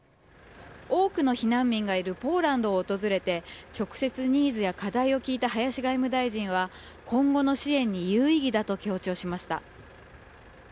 多くの避難民がいるポーランド訪れて直接、ニーズや課題を聞いた林外務大臣は今後の支援に有意義だと強調しました。